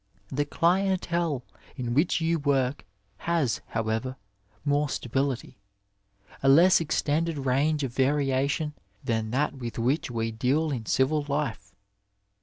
The dientSe in which you work has, however, more stability, a less extended range of variation than that with which we deal in civil life.